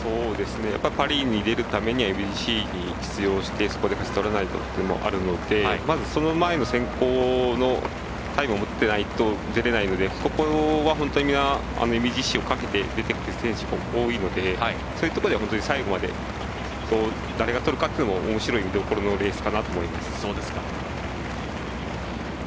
パリに出るためにはＭＧＣに出場してそこで勝ち取らないとっていうのもあるのでその前の選考のタイムを持っていないと、出れないのでここは皆、ＭＧＣをかけて出てくる選手が多いのでそういうところでは、最後まで誰がとるかっていうのもおもしろい、レースの見どころかなと思います。